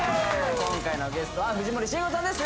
今回のゲストは藤森慎吾さんです